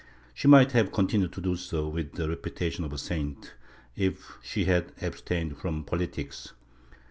She might have continued to do so, with the reputation of a saint, if she had abstained from politics.